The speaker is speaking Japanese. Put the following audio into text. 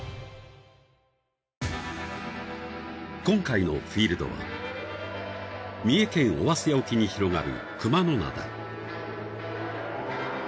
今回のフィールドは三重県尾鷲沖に広がる熊野灘